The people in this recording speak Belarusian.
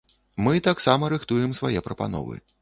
Мы таксама рыхтуем свае прапановы.